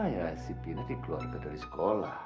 ya si pinti keluar dari sekolah